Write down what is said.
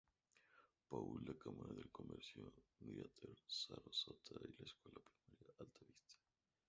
Paul, la Cámara de Comercio Greater Sarasota y la Escuela Primaria Alta Vista.